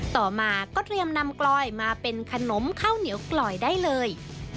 ต่อมาก็เตรียมนำกลอยมาเป็นขนมข้าวเหนียวกลอยได้เลย